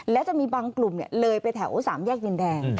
และจะมีบางกลุ่มเลยไปแถว๓แยกดินแดง